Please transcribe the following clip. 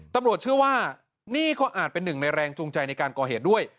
ตำรวจเชื่อว่านี่ก็อาจเป็นหนึ่งในแรงจูงใจในการก่อเหตุด้วย